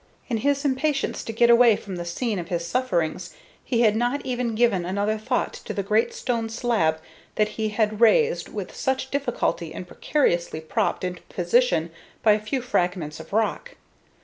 In his impatience to get away from the scene of his sufferings, he had not even given another thought to the great stone slab that he had raised with such difficulty and precariously propped into position by a few fragments of rock.